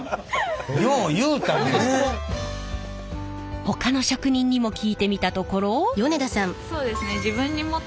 ほかの職人にも聞いてみたところ。